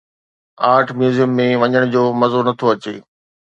art museum ۾ وڃڻ جو مزو نٿو اچي